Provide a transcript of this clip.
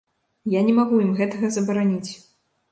Я не магу ім гэтага забараніць.